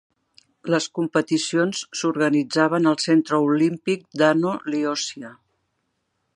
Les competicions s'organitzaven al Centre Olímpic d'Ano Liosia.